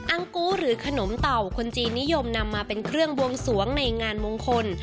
องกูหรือขนมเต่าคนจีนนิยมนำมาเป็นเครื่องบวงสวงในงานมงคล